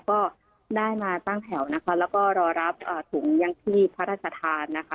ก็ได้มาตั้งแถวนะคะแล้วก็รอรับถุงยังที่พระราชทานนะคะ